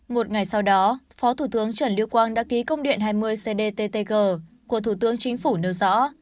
một ngày sau đó phó thủ tướng trần lưu quang đã ký công điện hai mươi cdttg của thủ tướng chính phủ nêu rõ